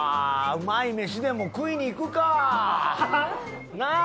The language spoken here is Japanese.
うまい飯でも食いに行くか。なあ？